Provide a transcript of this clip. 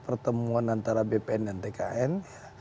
pertemuan antara bpn dan tkn